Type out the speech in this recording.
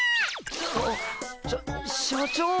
あっしゃ社長！